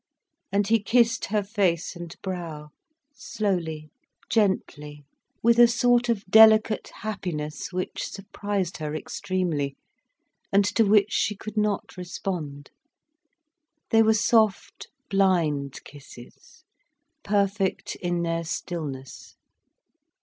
And he kissed her face and brow, slowly, gently, with a sort of delicate happiness which surprised her extremely, and to which she could not respond. They were soft, blind kisses, perfect in their stillness.